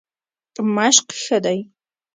مشق ښه دی.